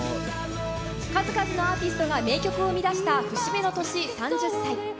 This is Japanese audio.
数々のアーティストが名曲を生み出した節目の年３０歳。